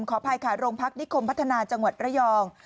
ขออภัยค่ะโรงพักนิคมพัฒนาจังหวัดระยอง